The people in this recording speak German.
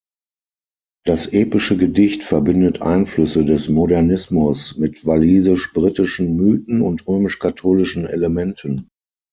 Das epische Gedicht verbindet Einflüsse des Modernismus mit walisisch-britischen Mythen und römisch-katholischen Elementen.